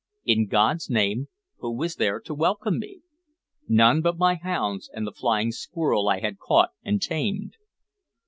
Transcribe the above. In God's name, who was there to welcome me? None but my hounds, and the flying squirrel I had caught and tamed.